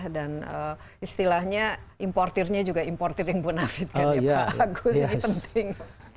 dan istilahnya importernya juga importer yang punafit kan ya pak agus